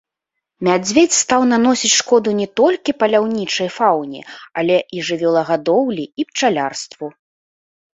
Мядзведзь стаў наносіць шкоду не толькі паляўнічай фауне, але і жывёлагадоўлі, і пчалярству.